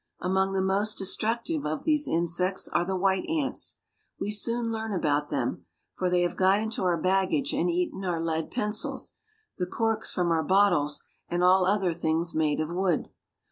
Among the most de structive of these insects are the white aiits. We soon learn about them ; for they have got into our baggage and eaten our lead pencils, the corks from our bottles, and all other things made of wood.